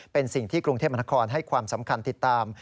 เป็นสิ่งที่กรุงเทพมนครให้ความสำคัญติดตาม